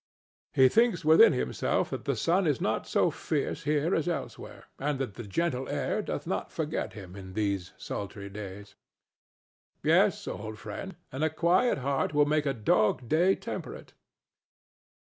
He thinks within himself that the sun is not so fierce here as elsewhere, and that the gentle air doth not forget him in these sultry days. Yes, old friend, and a quiet heart will make a dog day temperate.